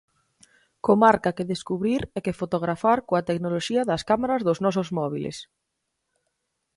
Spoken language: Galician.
Comarca que descubrir e que fotografar coa tecnoloxía das cámaras dos nosos móbiles.